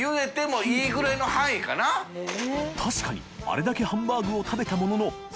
あれだけハンバーグを食べたものの案